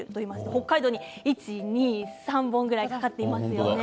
北海道に３本ぐらいかかっていますよね。